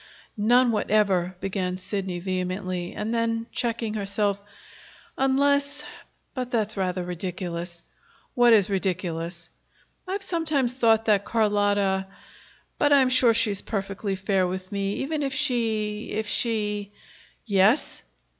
"None whatever," began Sidney vehemently; and then, checking herself, "unless but that's rather ridiculous." "What is ridiculous?" "I've sometimes thought that Carlotta but I am sure she is perfectly fair with me. Even if she if she " "Yes?"